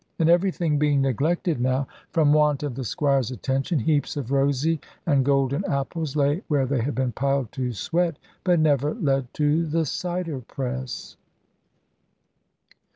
And everything being neglected now, from want of the Squire's attention, heaps of rosy and golden apples lay where they had been piled to sweat, but never led to the cider press.